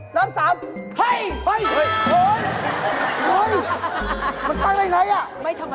เขาจะมีออกคลิปไหม